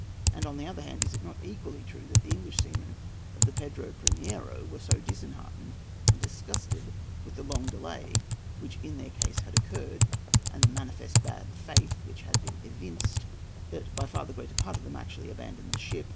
And, on the other hand, is it not equally true that the English seamen of the Pedro Primiero were so disheartened and disgusted with the long delay which in their case had occurred, and the manifest bad faith which had been evinced, that by far the greater part of them actually abandoned the ship?